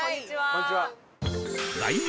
こんにちは。